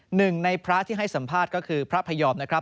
หนึ่งในพระที่ให้สัมภาษณ์ก็คือพระพยอมนะครับ